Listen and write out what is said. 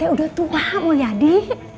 ibu sudah tua mul yadi